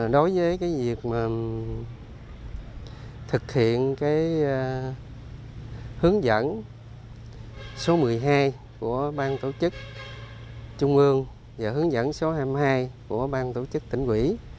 đối với việc thực hiện hướng dẫn số một mươi hai của bang tổ chức trung ương và hướng dẫn số hai mươi hai của bang tổ chức tỉnh quỹ